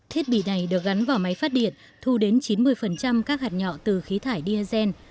thiết bị này được gắn vào máy phát điện thu đến chín mươi các hạt nhọ từ khí thải diesel